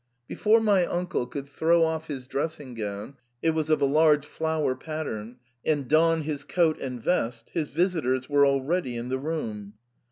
Before my uncle could throw off his dressing gown — it was of a large flower pattern — and don his coat and vest, his visitors were already in the room.